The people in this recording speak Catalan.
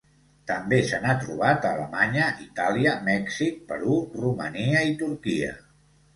També se n'ha trobat a Alemanya, Itàlia, Mèxic, Perú, Romania i Turquia.